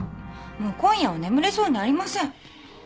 もう今夜は眠れそうにありません。